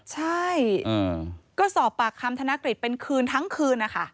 ใช่ก็สอบปากคำธนกฤษเป็นคืนทั้งคืนนะคะ